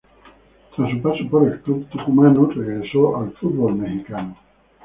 Tras su paso por el club tucumano, regresó al fútbol mexicano.